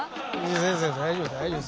全然大丈夫大丈夫。